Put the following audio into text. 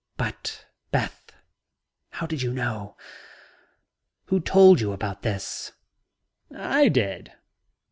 But, Beth, how did you know? Who told you about this?" "I did."